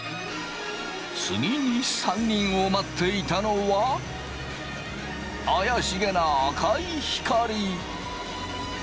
次に３人を待っていたのは怪しげな赤い光。